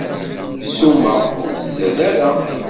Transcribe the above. Ssuma, ur tzad ara.